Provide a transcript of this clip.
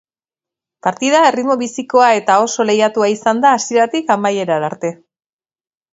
Partida erritmo bizikoa eta oso lehiatua izan da hasieratik amaierara arte.